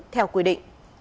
theo quy định